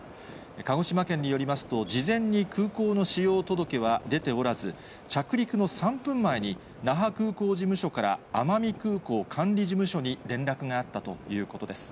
鹿児島県によりますと、事前に空港の使用届は出ておらず、着陸の３分前に那覇空港事務所から、奄美空港管理事務所に連絡があったということです。